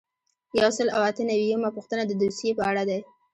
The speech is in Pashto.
یو سل او اته نوي یمه پوښتنه د دوسیې په اړه ده.